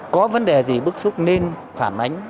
có vấn đề gì bức xúc nên phản ánh